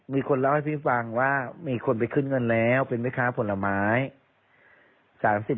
มีคนเล่าให้พี่ฟังว่ามีคนไปขึ้นเงินแล้วเป็นแม่ค้าผลไม้